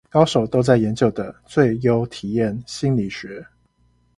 高手都在研究的最優體驗心理學